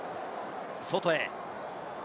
外へ。